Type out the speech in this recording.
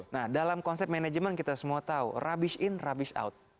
nah dalam konsep manajemen kita semua tahu rubbish in rubbish out